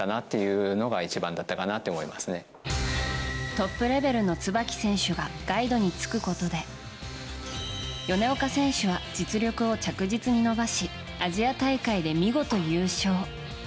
トップレベルの椿選手がガイドにつくことで米岡選手は実力を着実に伸ばしアジア大会で見事優勝。